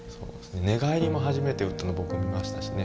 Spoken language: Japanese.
寝返りも初めて打ったの僕見ましたしね。